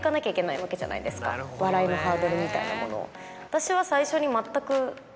笑いのハードルみたいなものを。